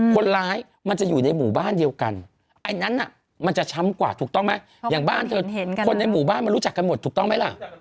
คนในหมู่บ้านมันรู้จักกันหมดถูกต้องไหมเหรอ